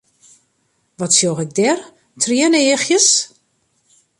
Wat sjoch ik dêr, trieneachjes?